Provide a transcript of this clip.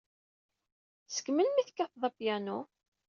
Seg melmi ay tekkated apyanu?